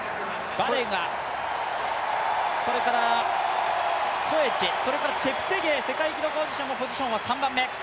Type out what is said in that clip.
バレガ、それからコエチ、それからチェプテゲイ世界記録保持者もポジションは３番目。